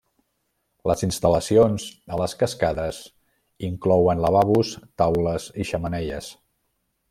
Les instal·lacions a les cascades inclouen lavabos, taules i xemeneies.